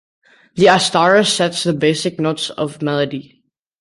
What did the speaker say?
The "astara" sets the basic notes of the melody.